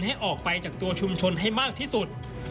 ให้ออกไปจากตัวชุมชนให้มากที่สุด